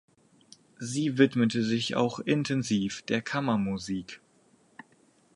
Sie widmete sich auch intensiv der Kammermusik.